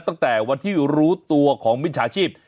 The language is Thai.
ตั้งแต่วันที่รู้ตัวของมิจฉาชีพ